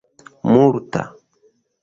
multa